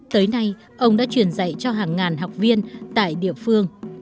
tới nay ông đã truyền dạy cho hàng ngàn học viên tại địa phương